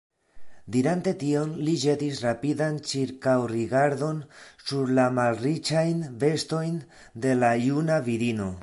Dirante tion, li ĵetis rapidan ĉirkaŭrigardon sur la malriĉajn vestojn de la juna virino.